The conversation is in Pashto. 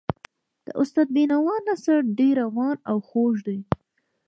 د استاد د بینوا نثر ډېر روان او خوږ دی.